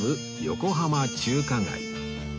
横浜中華街